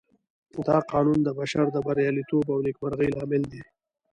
دا قانون د بشر د برياليتوب او نېکمرغۍ لامل دی.